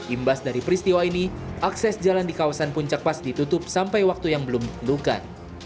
imbas dari peristiwa ini akses jalan di kawasan puncak pas ditutup sampai waktu yang belum dikeluhkan